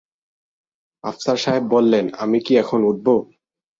আফসার সাহেব বললেন, আমরা কি এখন উঠব?